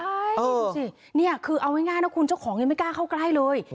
ใช่ดูสินี่คือเอาง่ายนะคุณเจ้าของยังไม่กล้าเข้าใกล้เลย